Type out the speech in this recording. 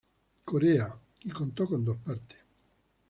Corea" y contó con dos partes.